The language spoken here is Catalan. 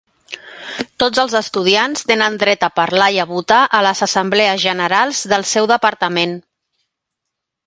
Tots els estudiants tenen dret a parlar i a votar a les assemblees generals del seu departament.